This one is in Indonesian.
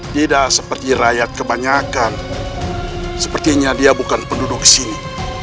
tidak seperti rakyat kebanyakan sepertinya dia bukan penduduk sini